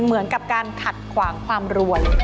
เหมือนกับการขัดขวางความรวย